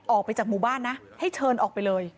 ออกไปจากหมู่บ้านนะให้เชิญออกไปเลย